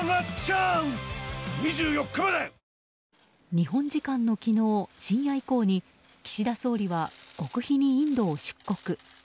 日本時間の昨日深夜以降に岸田総理は極秘にインドを出国。